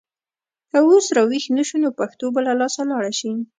که اوس راویښ نه شو نو پښتو به له لاسه لاړه شي.